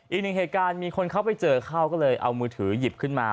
อีกหนึ่งเหตุการณ์มีคนเข้าไปเจอเข้าก็เลยเอามือถือหยิบขึ้นมา